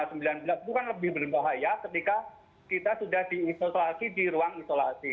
corona sembilan belas itu kan lebih berbahaya ketika kita sudah diisolasi di ruang isolasi